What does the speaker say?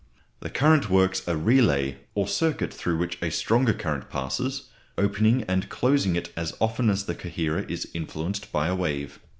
The current works a "relay," or circuit through which a stronger current passes, opening and closing it as often as the coherer is influenced by a wave.